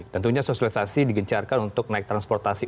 tentunya sosialisasi digencarkan untuk naik transportasi